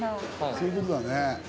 そういう事だね。